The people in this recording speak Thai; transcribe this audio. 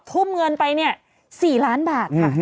ทุ่มเงินไป๔ล้านบาท